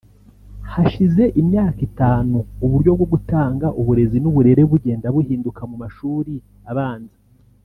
Hashize imyaka itanu uburyo bwo gutanga uburezi n’uburere bugenda buhinduka mu mashuri abanza